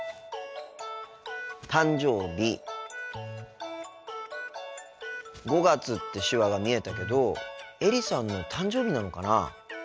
「誕生日」「５月」って手話が見えたけどエリさんの誕生日なのかな？